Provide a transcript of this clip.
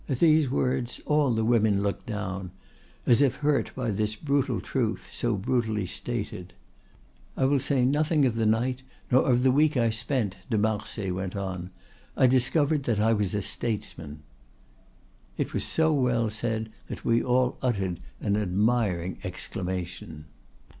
At these words all the women looked down, as if hurt by this brutal truth so brutally stated. "I will say nothing of the night, nor of the week I spent," de Marsay went on. "I discovered that I was a statesman." It was so well said that we all uttered an admiring exclamation.